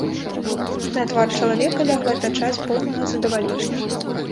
На твар чалавека лягла пячаць поўнага задавалення.